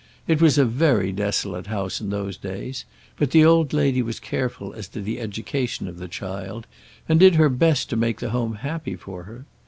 It was a very desolate house in those days, but the old lady was careful as to the education of the child, and did her best to make the home happy for her.